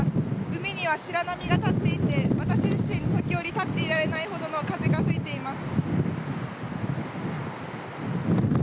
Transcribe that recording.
海には白波が立っていて私自身、時折立っていられないほどの風が吹いています。